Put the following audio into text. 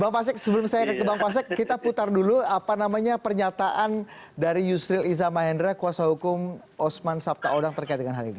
bang pasek sebelum saya ke bang pasek kita putar dulu apa namanya pernyataan dari yusril iza mahendra kuasa hukum osman sabtaodang terkait dengan hal ini